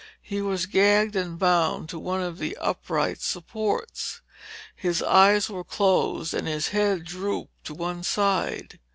He was gagged and bound to one of the upright supports. His eyes were closed and his head drooped to one side.